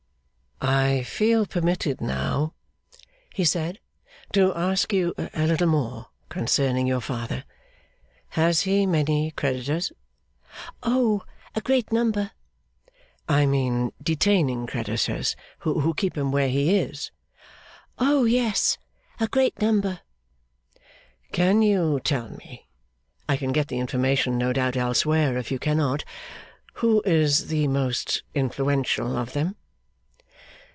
'I feel permitted now,' he said, 'to ask you a little more concerning your father. Has he many creditors?' 'Oh! a great number.' 'I mean detaining creditors, who keep him where he is?' 'Oh yes! a great number.' 'Can you tell me I can get the information, no doubt, elsewhere, if you cannot who is the most influential of them?